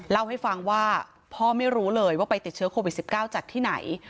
เล่าให้ฟังว่าพ่อไม่รู้เลยว่าไปติดเชื้อโควิด๑๙จากที่ไหน